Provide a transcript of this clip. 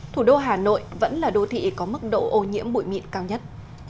thủ đô hà nội vẫn là đô thị có mức độ ô nhiễm bụi mịn cao nhất